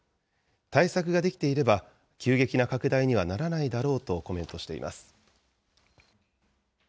対策ができていれば、急激な拡大にはならないだろうとコメントしています。